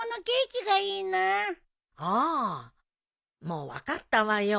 もう分かったわよ。